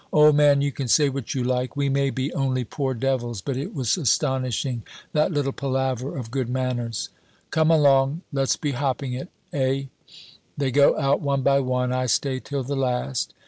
Old man, you can say what you like we may be only poor devils, but it was astonishing, that little palaver of good manners. "'Come along! Let's be hopping it, eh?' "They go out one by one. I stay till the last.